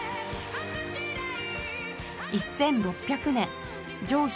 １６００年城主